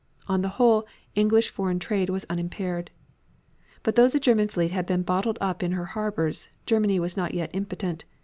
On the whole, English foreign trade was unimpaired. But though the German fleet had been bottled up in her harbors, Germany was not yet impotent.